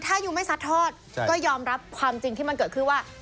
ถ้ายูไม่ซัดทอดก็ยอมรับความจริงที่มันเกิดขึ้นว่า